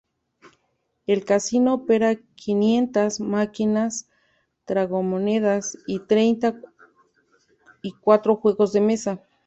El casino opera quinientas máquinas tragamonedas y treinta y cuatro juegos de mesa.